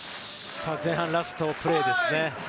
前半のラストプレーです。